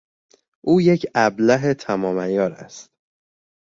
او یک ابله تمام عیار است.